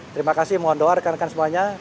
terima kasih mohon doa rekan rekan semuanya